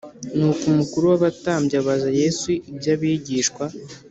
Nuko umukuru w abatambyi abaza Yesu iby abigishwa